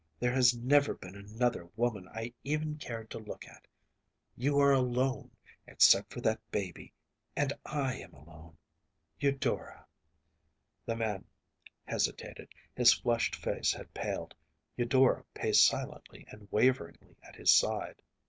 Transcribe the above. There has never been another woman I even cared to look at. You are alone, except for that baby, and I am alone. Eudora ‚ÄĚ The man hesitated. His flushed face had paled. Eudora paced silently and waveringly at his side.